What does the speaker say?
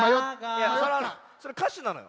いやそれかしなのよ。